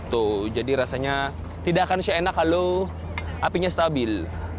tuh jadi rasanya tidak akan se enak kalau apinya stabil